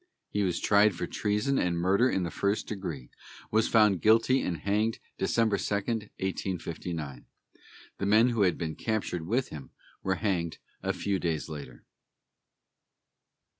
He was tried for treason and murder in the first degree, was found guilty and hanged December 2, 1859. The men who had been captured with him were hanged a few days later.